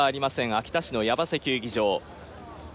秋田市の八橋球技場。